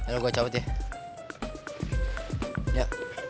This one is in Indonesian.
loh gue cabut ya